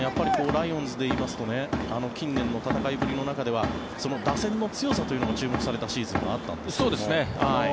ライオンズでいいますと近年の戦いぶりの中では打線の強さというのも注目されたシーズンがあったんですが。